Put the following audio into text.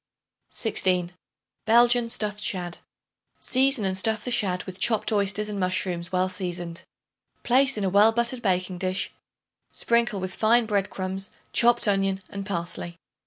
16. Belgian Stuffed Shad. Season and stuff the shad with chopped oysters and mushrooms well seasoned. Place in a well buttered baking dish; sprinkle with fine bread crumbs, chopped onion and parsley.